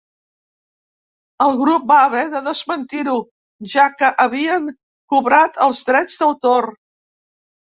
El grup va haver de desmentir-ho, ja que havien cobrat els drets d'autor.